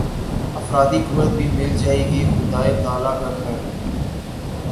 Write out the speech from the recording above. افرادی قوت بھی مل جائے گی خدائے تعالیٰ کا گھر